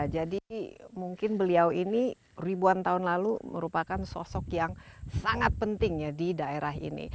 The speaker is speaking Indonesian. jadi mungkin beliau ini ribuan tahun lalu merupakan sosok yang sangat penting di daerah ini